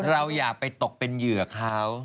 อย่าไปตกเป็นเหยื่อเขา